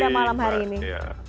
terima kasih mbak